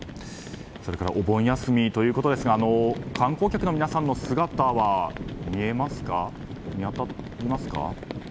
お盆休みということですが観光客の皆さんの姿は見えますか。